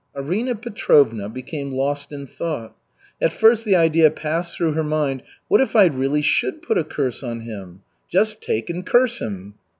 Arina Petrovna became lost in thought. At first the idea passed through her mind: "What if I really should put a curse on him just take and curse him?"